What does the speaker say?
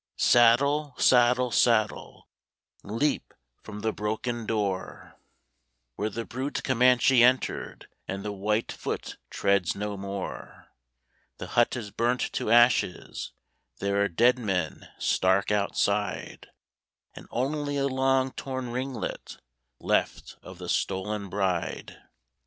Saddle! saddle! saddle! Leap from the broken door, Where the brute Comanche entered, And the white foot treads no more! The hut is burnt to ashes, There are dead men stark outside, And only a long torn ringlet Left of the stolen bride.